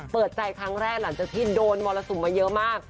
เปิดใจครั้งแรกหลังจากที่โดนมรสุมมาเยอะมาก